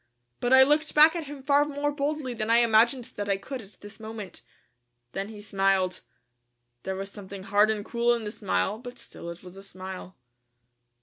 But I looked back at him far more boldly than I imagined that I could at this moment. Then he smiled. There was something hard and cruel in the smile but still it was a smile.